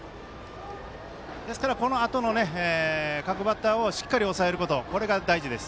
ですから、このあとの各バッターをしっかり抑えることこれが大事です。